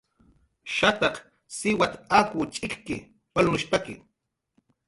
Shataq siwat akw ch'ikki palnushtaki